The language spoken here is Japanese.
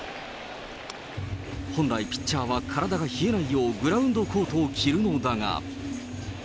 本来、ピッチャーは体が冷えないよう、グラウンドコートを着るのだが。